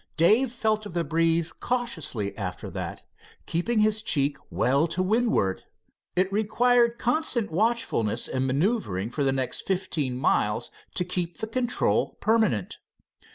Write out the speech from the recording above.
Dave felt of the breeze cautiously after that, keeping his cheek well to windward. It required constant watchfulness and maneuvering for the next fifteen miles to keep the control permanent.